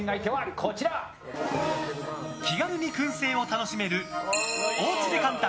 気軽に燻製を楽しめるおうちで簡単！